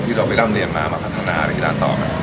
เราไปร่ำเรียนมามาพัฒนาเป็นกีฬาต่อไหม